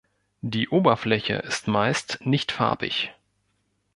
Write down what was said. Die Oberfläche ist meist nicht farbig.